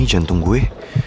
ini jantung gue